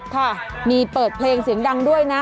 ค่ะมีเปิดเพลงเสียงดังด้วยนะ